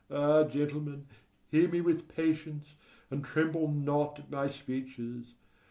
Ah, gentlemen, hear me with patience, and tremble not at my speeches!